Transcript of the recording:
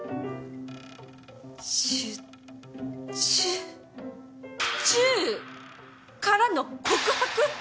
チュチュチュー！？からの告白！？